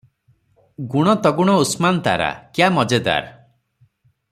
ଗୁଣ ତଗୁଣ ଉସ୍ମାନ୍ ତାରା – କ୍ୟା ମଜେଦାର!